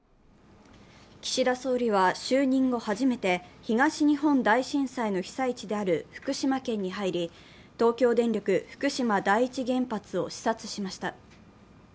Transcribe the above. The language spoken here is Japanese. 岸田総理は就任後初めて東日本大震災の被災地である福島県に入り、東京電力・福島第一原発を視察しました。